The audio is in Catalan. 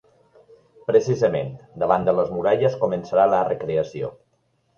Precisament, davant de les muralles començarà la recreació.